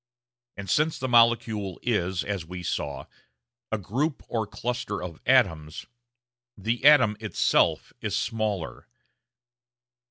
And since the molecule is, as we saw, a group or cluster of atoms, the atom itself is smaller.